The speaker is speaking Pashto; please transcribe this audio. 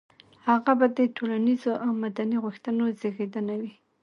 هغه به د ټولنيزو او مدني غوښتنو زېږنده وي.